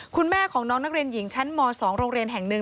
คุณแม่ของน้องนักเรียนหญิงชั้นม๒โรงเรียนแห่งหนึ่ง